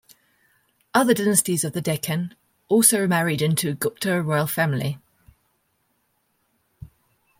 Other dynasties of the Deccan also married into Gupta royal family.